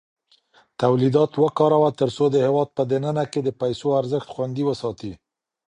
تولیدات وکاروه ترڅو د هېواد په دننه کې د پیسو ارزښت خوندي وساتې.